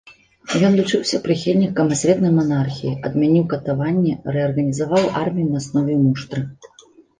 Ён лічыўся прыхільнікам асветнай манархіі, адмяніў катаванні, рэарганізаваў армію на аснове муштры.